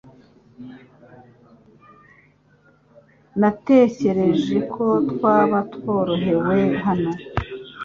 Natekereje ko twaba tworohewe hano .